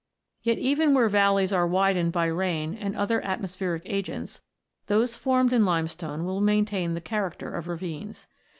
Yet even where valleys are widened by rain and other atmospheric agents, those formed in limestone will maintain the character of ravines.